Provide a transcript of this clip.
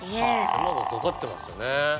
手間がかかってますよね。